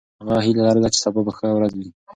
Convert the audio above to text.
هغه هیله لرله چې سبا به ښه ورځ وي.